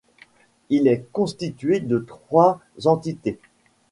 Il est constitué de trois entités.